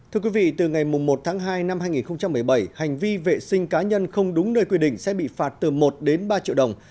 thưa quý vị từ ngày một tháng hai năm hai nghìn một mươi bảy hành vi vệ sinh cá nhân không đúng nơi quy định sẽ bị phạt từ một đến ba triệu đồng